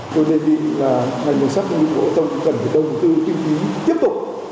tôi đề nghị là ngành lực sách công nghiệp bộ hội tổng thống cần phải đồng tư kinh phí tiếp tục